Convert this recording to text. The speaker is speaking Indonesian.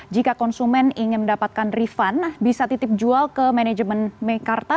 jika konsumen ingin mendapatkan refund bisa titip jual ke manajemen mekarta